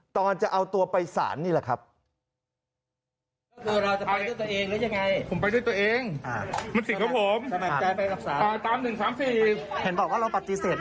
ตอนจะเอาตัวไปสารนี่แหละครับ